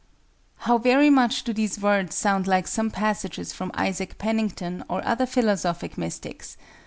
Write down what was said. How very much do these words sound like some passages from Isaac Pennington or other philosophic mystics!